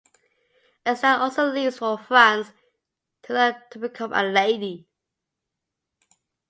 Estella also leaves, for France, to learn to become a lady.